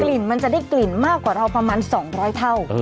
ลิ่นมันจะได้กลิ่นมากกว่าเราประมาณ๒๐๐เท่า